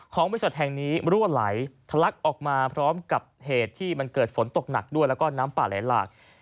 ของบริษัทแห่งนี้รั่วไหลทะลักออกมาพร้อมกับเหตุที่มันเกิดฝนตกหนักด้วยแล้วก็น้ำป่าไหลหลาก